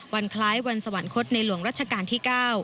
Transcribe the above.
คล้ายวันสวรรคตในหลวงรัชกาลที่๙